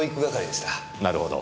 なるほど。